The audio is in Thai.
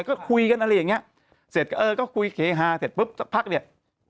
ก็คุยกันอะไรอย่างเงี้ยเสร็จเออก็คุยเฮฮาเสร็จปุ๊บสักพักเนี่ย